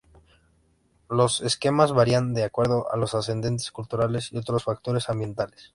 Los esquemas varían de acuerdo a los antecedentes culturales y otros factores ambientales.